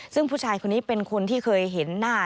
ซึ่งผู้ชายคนนี้เป็นคนที่เคยเห็นหน้า